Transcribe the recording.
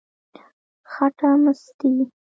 خټه مستې،